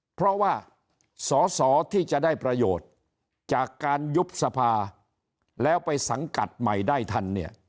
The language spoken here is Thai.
เพราะว่าสอสอที่จะได้ประโยชน์จากการยุบสภาแล้วไปสังกัดใหม่ได้ทันเนี่ย